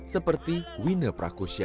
seperti wina prakusya